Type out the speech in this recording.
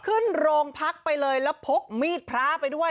ขึ้นโรงพักไปเลยแล้วพกมีดพระไปด้วย